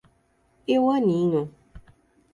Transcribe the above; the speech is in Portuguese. Eu aninho.